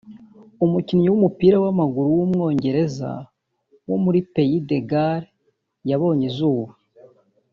umukinnyi w’umupira w’amaguru w’umwongereza wo muri Pays des Gales yabonye izuba